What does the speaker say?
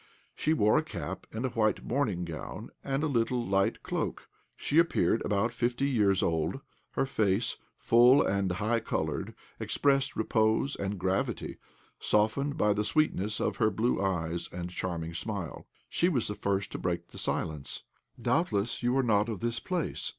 She wore a cap and a white morning gown and a little light cloak. She appeared about 50 years old; her face, full and high coloured, expressed repose and gravity, softened by the sweetness of her blue eyes and charming smile. She was the first to break the silence. "Doubtless you are not of this place?"